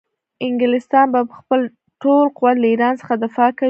انګلستان به په خپل ټول قوت له ایران څخه دفاع کوي.